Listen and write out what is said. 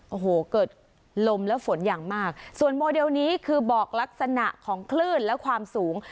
โอ้โหเกิดลมและฝนอย่างมากส่วนโมเดลนี้คือบอกลักษณะของคลื่นและความสูง